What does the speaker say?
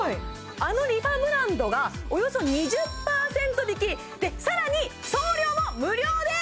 あのＲｅＦａブランドがおよそ２０％引きでさらに送料も無料です！